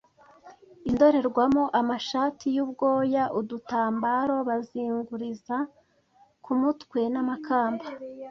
indorerwamo, amashati y’ubwoya, udutambaro bazinguriza ku mutwe n’amakamba.